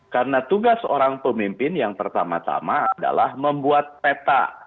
karena tugas orang pemimpin yang pertama tama adalah membuat peta